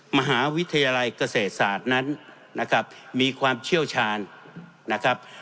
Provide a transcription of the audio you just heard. มหาวิทยาลัยเกษตรศาสตร์นั้นนะครับมีความเชี่ยวชาญนะครับ